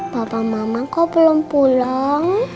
papa mama kau belum pulang